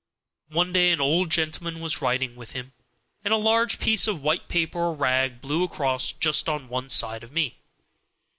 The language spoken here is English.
One day an old gentleman was riding with him, and a large piece of white paper or rag blew across just on one side of me.